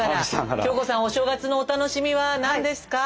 京子さんお正月のお楽しみは何ですか？